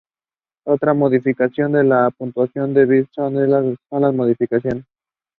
This hospital treated patients of all ages and stages of disease.